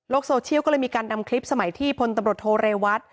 โซเชียลก็เลยมีการนำคลิปสมัยที่พลตำรวจโทเรวัต